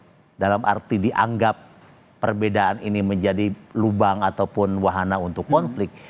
tidak dalam arti dianggap perbedaan ini menjadi lubang ataupun wahana untuk konflik